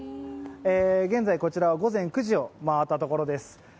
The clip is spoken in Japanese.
現在こちらは午前９時を回ったところです。